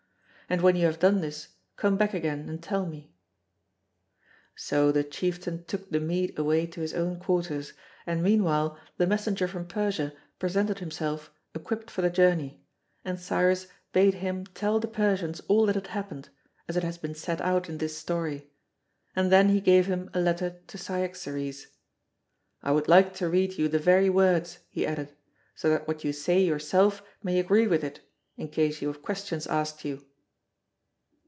And when you have done this, come back again and tell me." So the chieftain took the Mede away to his own quarters, and meanwhile the messenger from Persia presented himself equipped for the journey, and Cyrus bade him tell the Persians all that had happened, as it has been set out in this story, and then he gave him a letter to Cyaxares. "I would like to read you the very words," he added, "so that what you say yourself may agree with it, in case you have questions asked you."